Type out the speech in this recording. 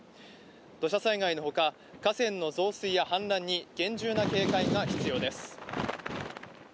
土砂災害のほか河川の増水や氾濫に厳重な警戒が必要です。